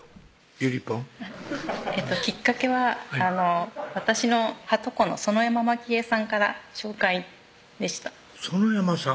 ゆりぽんきっかけは私のはとこの園山真希絵さんから紹介でした園山さん？